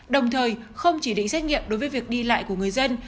đồng thời không chỉ định xét nghiệm đối với việc đi lại của người dân